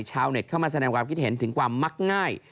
ชาวเน็ตเข้ามาแสดงความคิดเห็นถึงความมักง่าย